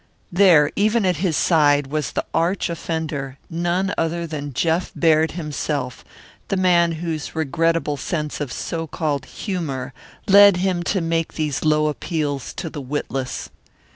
There, even at his side, was the arch offender, none other than Jeff Baird himself, the man whose regrettable sense of so called humour led him to make these low appeals to the witless.